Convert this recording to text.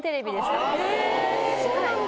えそうなんだ。